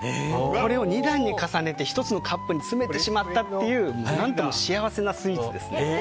これを２段に重ねて１つのカップに詰めてしまったという何とも幸せなスイーツです。